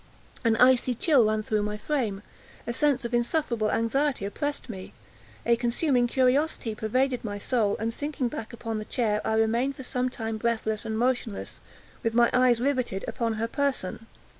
An icy chill ran through my frame; a sense of insufferable anxiety oppressed me; a consuming curiosity pervaded my soul; and sinking back upon the chair, I remained for some time breathless and motionless, with my eyes riveted upon her person.